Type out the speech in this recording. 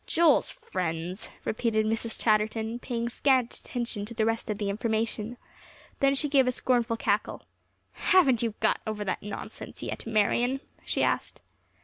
"Joel's friends," repeated Mrs. Chatterton, paying scant attention to the rest of the information. Then she gave a scornful cackle. "Haven't you gotten over that nonsense yet, Marian?" she asked.